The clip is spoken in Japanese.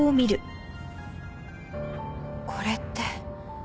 これって。